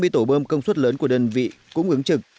hai mươi tổ bơm công suất lớn của đơn vị cũng ứng trực